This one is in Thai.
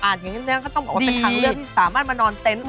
อย่างนี้ก็ต้องบอกว่าเป็นทางเลือกที่สามารถมานอนเต็นต์